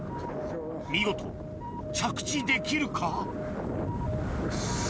見事着地できるか？